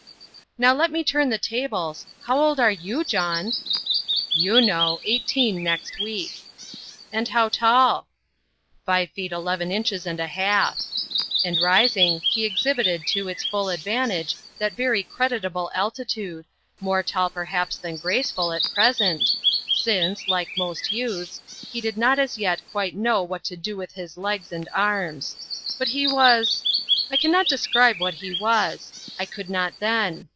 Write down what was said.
"Now let me turn the tables. How old are YOU, John?" "You know. Eighteen next week." "And how tall?" "Five feet eleven inches and a half." And, rising, he exhibited to its full advantage that very creditable altitude, more tall perhaps than graceful, at present; since, like most youths, he did not as yet quite know what to do with his legs and arms. But he was I cannot describe what he was. I could not then.